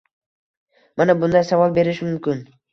mana bunday savol berish mumkin: